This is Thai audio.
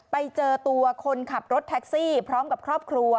ไปเจอตัวคนขับรถแท็กซี่พร้อมกับครอบครัว